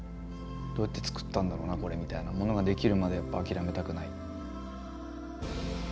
「どうやって作ったんだろうなこれ」みたいなものができるまでやっぱ諦めたくない。